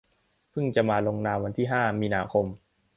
พึ่งจะมาลงนามวันที่ ห้า มีนาคม